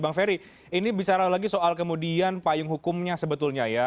bang ferry ini bicara lagi soal kemudian payung hukumnya sebetulnya ya